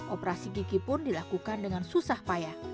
operasi gigi pun dilakukan dengan susah payah